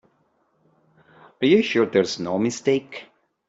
Are you sure there's no mistake?